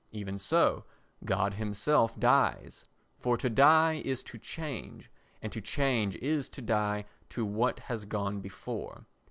Even so God himself dies, for to die is to change and to change is to die to what has gone before.